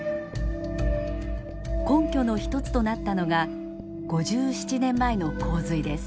根拠の一つとなったのが５７年前の洪水です。